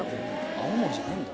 青森じゃないんだ。